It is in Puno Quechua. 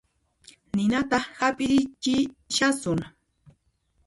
Ninata hap'irichishasun